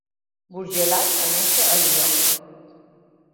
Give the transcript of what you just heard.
Bourgelat va néixer a Lió.